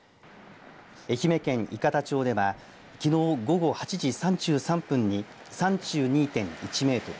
愛媛県伊方町ではきのう午後８時３３分に３２．１メートル